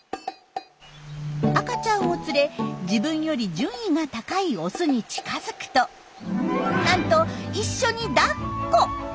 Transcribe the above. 赤ちゃんを連れ自分より順位が高いオスに近づくとなんと一緒にだっこ！